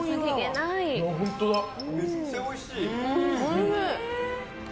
めっちゃおいしい！